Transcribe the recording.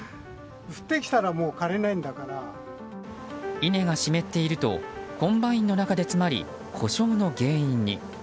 稲が湿っているとコンバインの中で詰まり故障の原因に。